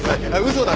嘘だ。